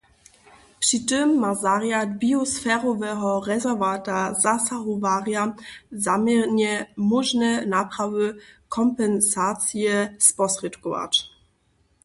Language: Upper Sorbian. Při tym ma zarjad biosferoweho rezerwata zasahowarjam zaměrnje móžne naprawy kompensacije sposrědkować.